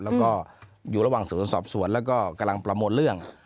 แล้วก็อยู่ระหว่างสวนสอบสวนแล้วก็กำลังประมวลเรื่อง